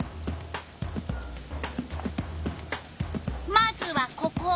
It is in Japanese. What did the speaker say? まずはここ！